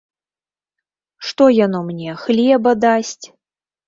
Што яно мне, хлеба дасць?!